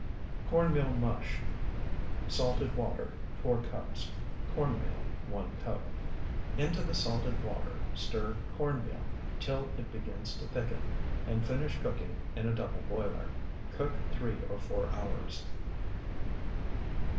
CORN MEAL MUSH Salted water, 4 cups. Corn meal, 1 cup. Into the salted water stir corn meal till it begins to thicken, and finish cooking in a double boiler. Cook three or four hours.